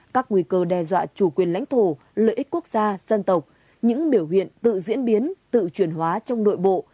các nguy cơ đe dọa chủ quyền lãnh thổ lợi ích quốc gia dân tộc những biểu hiện tự diễn biến tự truyền hóa trong nội bộ